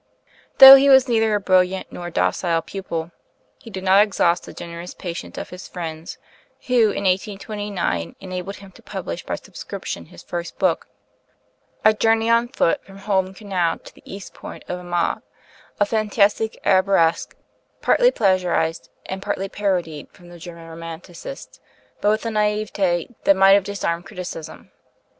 Though he was neither a brilliant nor a docile pupil, he did not exhaust the generous patience of his friends, who in 1829 enabled him to publish by subscription his first book, 'A Journey on Foot from Holm Canal to the East Point of Amager' a fantastic arabesque, partly plagiarized and partly parodied from the German romanticists, but with a naïveté that might have disarmed criticism.